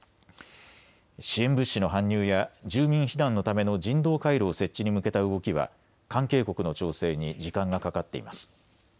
支援物資の搬入や住民避難のための人道回廊設置に向けた動きは関係国の調整に時間がかかっています。